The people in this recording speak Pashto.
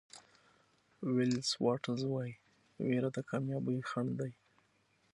ولېس واټلز وایي وېره د کامیابۍ خنډ ده.